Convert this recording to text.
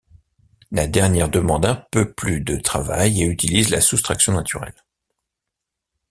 La dernière demande un peu plus de travail et utilise la soustraction naturelle.